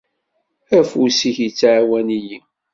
Afus-ik ittɛawan-iyi.